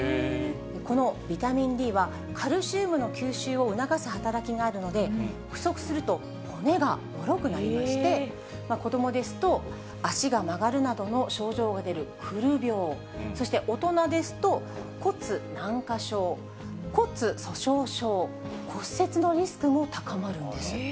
このビタミンＤは、カルシウムの吸収を促す働きがあるので、不足すると骨がもろくなりまして、子どもですと、足が曲がるなどの症状が出るくる病、そして大人ですと骨軟化症、骨粗しょう症、骨折のリスクも高まるんです。